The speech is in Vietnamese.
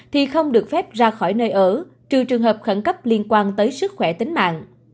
thì không được phép ra khỏi nơi ở trừ trường hợp khẩn cấp liên quan tới sức khỏe tính mạng